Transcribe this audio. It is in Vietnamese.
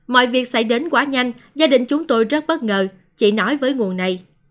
mọi việc xảy đến quá nhanh gia đình chúng tôi rất bất ngờ chỉ nói với nguồn này